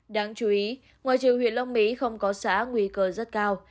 đáng chú ý ngoài trường huyện long mỹ không có xã nguy cơ rất cao